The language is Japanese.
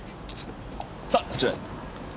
さあこちらへ。